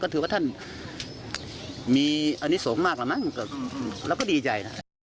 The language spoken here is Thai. ก็ถือว่าท่านมีอันนี้สงมากล่ะมั้งก็แล้วก็ดีใจนะ